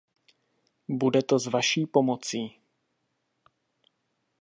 Bude to s vaší pomocí.